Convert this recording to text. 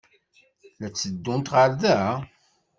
La d-tteddunt ɣer da?